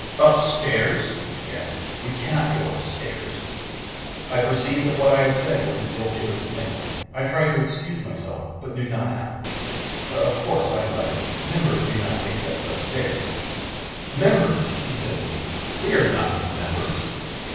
"Upstairs!" he gasped. "We cannot go upstairs." I perceived that what I had said was an ill chosen thing. I tried to excuse myself but knew not how. "Of course," I muttered, "members may not take guests upstairs." "Members!" he said to me. "We are not the members!"